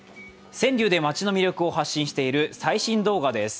川柳で街の魅力を発信している最新動画です。